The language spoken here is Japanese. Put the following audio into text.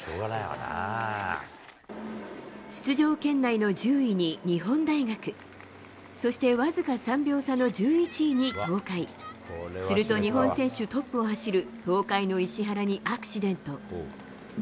出場圏内の１０位に日本大学、そして僅か３秒差の１１位に東海、すると日本選手トップを走る東海の石原にアクシデント。